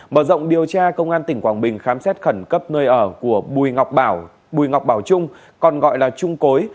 mở rộng điều tra công an tỉnh quảng bình khám xét khẩn cấp nơi ở của bùi ngọc bảo bùi ngọc bảo trung còn gọi là trung cối